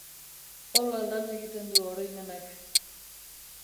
Hola lan egiten du oroimenak.